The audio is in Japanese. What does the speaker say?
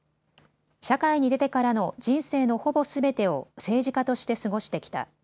社会に出てからの人生のほぼすべてを政治家として過ごしてきた。